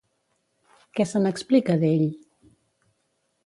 Què se n'explica, d'ell?